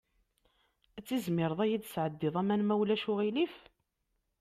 Ad tizmireḍ ad iyi-d-tesɛeddiḍ aman, ma ulac aɣilif?